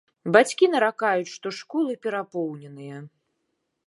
Бацькі наракаюць, што школы перапоўненыя.